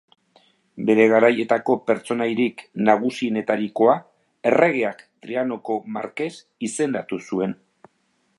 Bere garaietako pertsonaiarik nagusienetarikoa, erregeak Trianoko markes izendatu zuen.